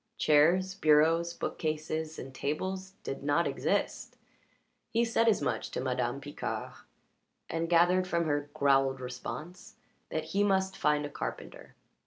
Chairs, bureaus, bookcases, and tables did not exist. He said as much to Madame Picard, and gathered from her growled response that he must find a carpenter.